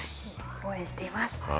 応援しています。